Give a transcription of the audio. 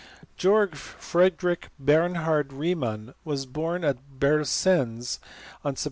Georg Friederich Bernhard Riemann was born at Breselenz on Sept.